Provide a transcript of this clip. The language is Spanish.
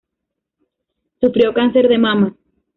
Sufrió cáncer de mama.